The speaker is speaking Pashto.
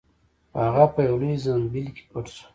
خو هغه په یوه لوی زنبیل کې پټ شو.